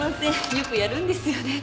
よくやるんですよね。